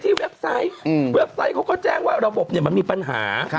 เว็บไซต์เว็บไซต์เขาก็แจ้งว่าระบบมันมีปัญหา